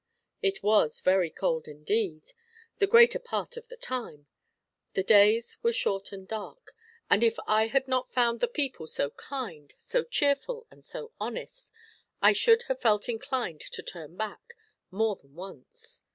It wras very cold indeed, the greater part of the time; the days were short and dark, and if I had not found the people so kind, so cheerful, and so honest, I should have felt inclined to turn back, more than once.